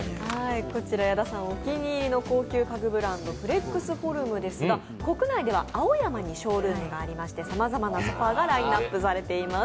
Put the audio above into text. こちら矢田さんのお気に入りのＦＬＥＸＦＯＲＭですが国内では青山にショールームがありまして、さまざまなソファーがラインナップされています。